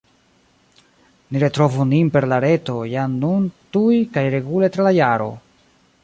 Ni retrovu nin per la Reto jam nun tuj kaj regule tra la jaro!